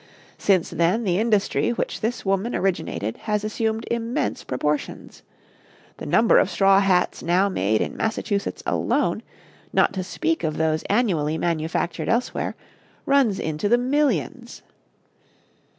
Since then the industry which this woman originated has assumed immense proportions. The number of straw hats now made in Massachusetts alone, not to speak of those annually manufactured elsewhere, runs into the millions.